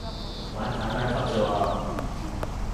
玩簡單級咋喎